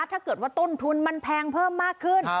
ถ้าเกิดว่าต้นทุนมันแพงเพิ่มมากขึ้น